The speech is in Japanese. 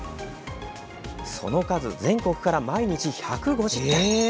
その数、全国から毎日１５０点。